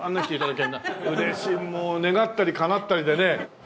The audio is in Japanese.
もう願ったりかなったりでね。